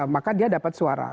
maka dia dapat suara